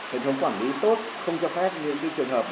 hệ thống quản lý tốt không cho phép những trường hợp